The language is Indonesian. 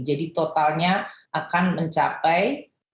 jadi totalnya akan mencapai